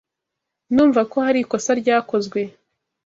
Ndumva ko hari ikosa ryakozwe.